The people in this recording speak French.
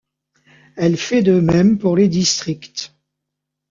Elle fait de même pour les districts.